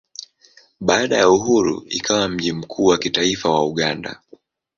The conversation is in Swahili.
Baada ya uhuru ikawa mji mkuu wa kitaifa wa Uganda.